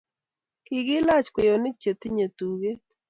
Kiki lach kweyonik che tinyei tugek